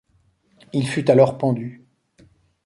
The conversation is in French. Il fut alors pendu.